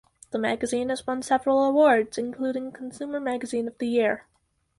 The magazine has won several awards, including Consumer Magazine of the Year.